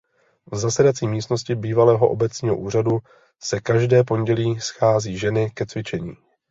V zasedací místnosti bývalého obecního úřadu se každé pondělí schází ženy ke cvičení.